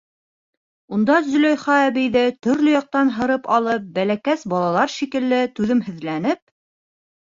Унда Зөләйха әбейҙе төрлө яҡтан һырып алып, бәләкәс балалар шикелле, түҙемһеҙләнеп: